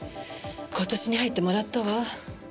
今年に入ってもらったわ。